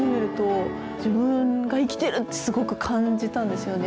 自分が。ってすごく感じたんですよね。